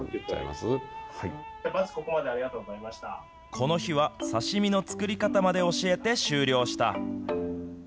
この日は、刺身の作り方まで教えて終了した。